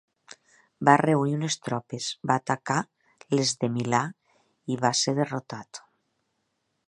Va reunir unes tropes, va atacar les de Milà i va ser derrotat.